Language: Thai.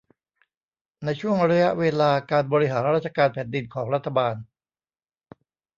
ในช่วงระยะเวลาการบริหารราชการแผ่นดินของรัฐบาล